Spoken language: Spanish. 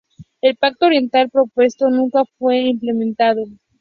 El Pacto oriental propuesto nunca fue implementado.